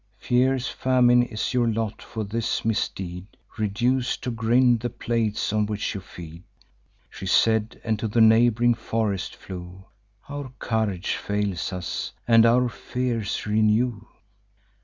Fierce famine is your lot for this misdeed, Reduc'd to grind the plates on which you feed.' She said, and to the neighb'ring forest flew. Our courage fails us, and our fears renew.